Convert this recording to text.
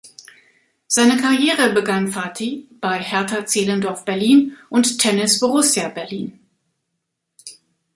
Seine Karriere begann Fathi bei Hertha Zehlendorf Berlin und Tennis Borussia Berlin.